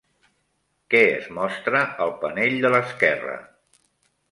Què es mostra al panell de l'esquerra?